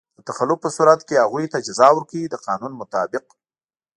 په تخلف په صورت کې هغوی ته جزا ورکوي د قانون مطابق.